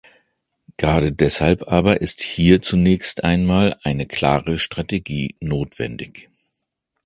Gerade deshalb aber ist hier zunächst einmal eine klare Strategie notwendig.